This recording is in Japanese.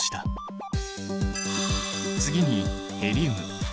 次にヘリウム。